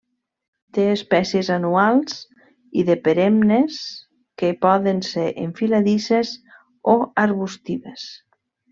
Té espècies anuals i de perennes que poden ser enfiladisses o arbustives.